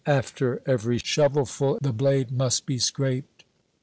After every shovelful the blade must be scraped.